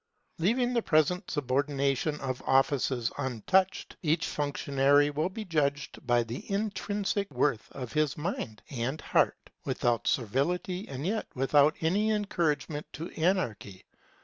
Leaving the present subordination of offices untouched, each functionary will be judged by the intrinsic worth of his mind and heart, without servility and yet without any encouragement to anarchy.